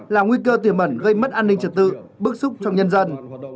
là nguy cơ tiềm ẩn gây mất an ninh trật tự bức xúc trong nhân dân